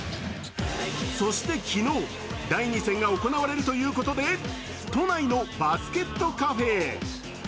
そして昨日、第２戦が行われるということで都内のバスケットカフェへ。